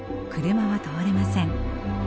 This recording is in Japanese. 車は通れません。